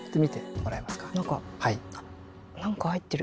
はい。